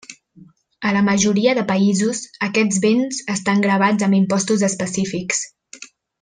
A la majoria de països, aquests béns estan gravats amb impostos específics.